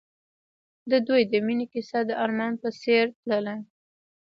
د دوی د مینې کیسه د آرمان په څېر تلله.